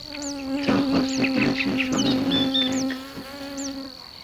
这或许正是说明了其改版仓促。